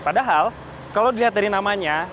padahal kalau dilihat dari namanya